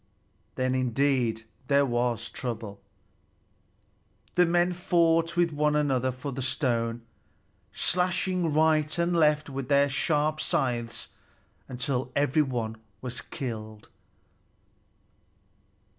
Then indeed there was trouble! The men fought with one another for the stone, slashing right and left with their sharp scythes until every one was killed.